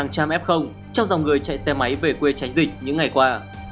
các tỉnh miền tây đã phát hiện hàng trăm f trong dòng người chạy xe máy về quê tránh dịch những ngày qua